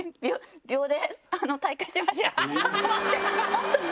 本当に？